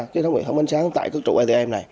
kết nối hệ thống ánh sáng tại các trụ atm này